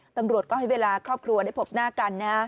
ตำรวจก็ให้เวลาครอบครัวได้พบหน้ากันนะฮะ